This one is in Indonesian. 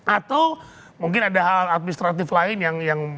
atau mungkin ada hal administratif lain yang